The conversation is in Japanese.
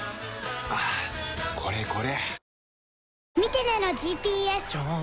はぁこれこれ！